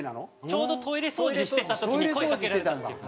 ちょうどトイレ掃除してた時に声かけられたんですよ。